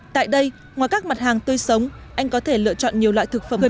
tại đây ngoài các mặt hàng tươi sống anh có thể lựa chọn nhiều loại thực phẩm hơn